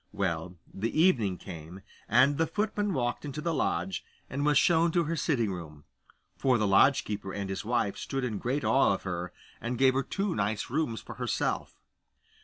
Well, the evening came, and the footman walked into the lodge, and was shown to her sitting room; for the lodge keeper and his wife stood in great awe of her, and gave her two nice rooms for herself.